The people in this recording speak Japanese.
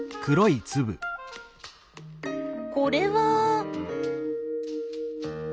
これは。